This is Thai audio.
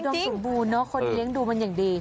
สมบูรณ์เนอะคนเลี้ยงดูมันอย่างดี